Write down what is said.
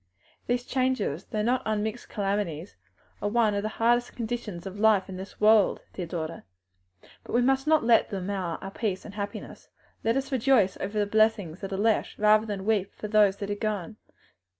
These changes, though not unmixed calamities, are one of the hard conditions of life in this lower world, dear daughter; but we must not let them mar our peace and happiness; let us rejoice over the blessings that are left, rather than weep for those that are gone."